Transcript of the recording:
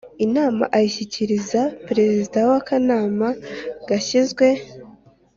inama anayishyikiriza perezida w'akanama gashinzwe